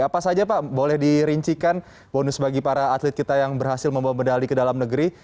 apa saja pak boleh dirincikan bonus bagi para atlet kita yang berhasil membawa medali ke dalam negeri